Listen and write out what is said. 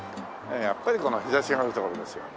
やっぱりこの日差しがある所ですよ。